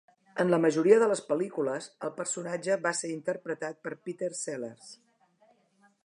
En la majoria de les pel·lícules, el personatge va ser interpretat per Peter Sellers.